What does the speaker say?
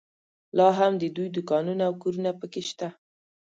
لا هم د دوی دوکانونه او کورونه په کې شته.